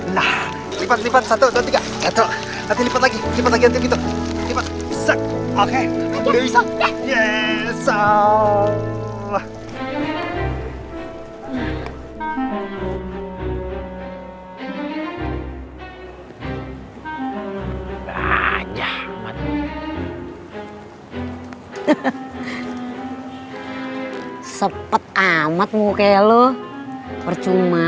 nah lipat lipat satu dua tiga